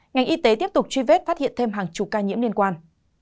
ngành y tế tiếp tục truy vết phát hiện thêm hàng chục ca nhiễm liên quan